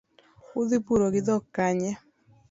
Udhi puro gi dhok kanye?